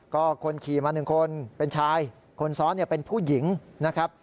ก็คนขี่มาหนึ่งคนเป็นชายคนสองเป็นผู้หญิงนะครับ